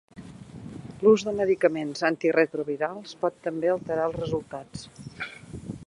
L'ús de medicaments Antiretrovirals pot també alterar els resultats.